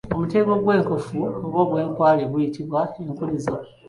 Omutego gw'enkofu oba enkwale guyitibwa enkunizo.